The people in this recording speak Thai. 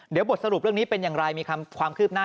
เดี๋ยวบทสรุปเรื่องนี้เป็นอย่างไรมีความคืบหน้า